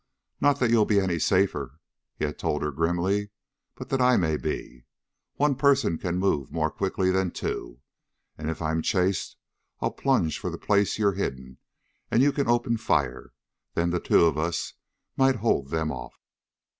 "Not that you'll be any safer," he had told her grimly, "but that I may be. One person can move more quickly than two. And if I'm chased I'll plunge for the place you're hidden, and you can open fire. Then the two of us might hold them off."